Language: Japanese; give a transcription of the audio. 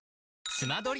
スマドリ！